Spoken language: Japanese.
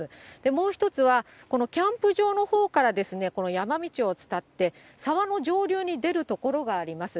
もう一つは、このキャンプ場のほうから山道を伝って、沢の上流に出る所があります。